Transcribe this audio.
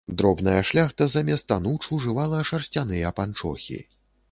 Дробная шляхта замест ануч ужывала шарсцяныя панчохі.